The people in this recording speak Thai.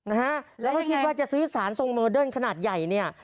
นะฮะแล้วก็คิดว่าจะซื้อสารทรงโมเดิร์นขนาดใหญ่เนี่ย